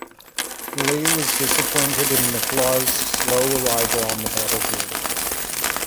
Lee was disappointed in McLaws's slow arrival on the battlefield.